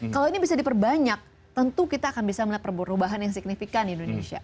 kalau ini bisa diperbanyak tentu kita akan bisa melihat perubahan yang signifikan di indonesia